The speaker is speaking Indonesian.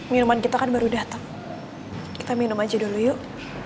minuman kita kan baru datang kita minum aja dulu yuk